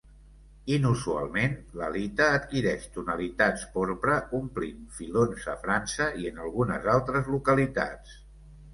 Inusualment, l'halita adquireix tonalitats porpra omplint filons a França i en algunes altres localitats.